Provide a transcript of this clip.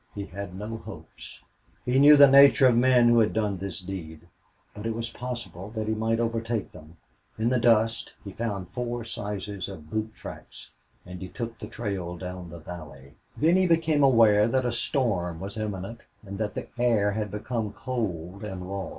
He had no hopes. He knew the nature of men who had done this deed. But it was possible that he might overtake them. In the dust he found four sizes of boot tracks and he took the trail down the valley. Then he became aware that a storm was imminent and that the air had become cold and raw.